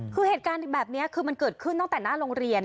คือเหตุการณ์แบบนี้คือมันเกิดขึ้นตั้งแต่หน้าโรงเรียน